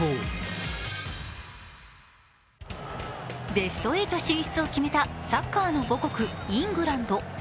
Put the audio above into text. ベスト８進出を決めたサッカーの母国・イングランド。